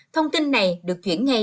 thông tin này được chuyển ngay